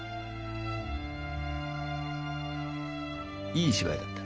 いい芝居だった。